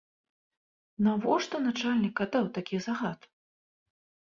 Навошта начальнік аддаў такі загад?